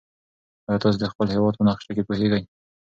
ایا تاسي د خپل هېواد په نقشه پوهېږئ؟